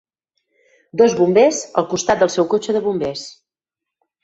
Dos bombers al costat del seu cotxe de bombers.